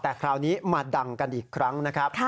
แต่คราวนี้มาดังกันอีกครั้งนะครับ